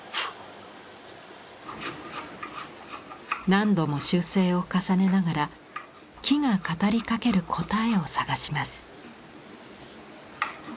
何度も修正を重ねながら木が語りかける答えを探します。